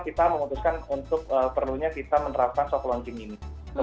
kita memutuskan untuk perlunya kita menerapkan soko lonceng ini